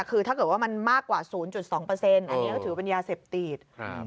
คือถ้าเกิดว่ามันมากกว่า๐๒อันนี้ก็ถือเป็นยาเสพติด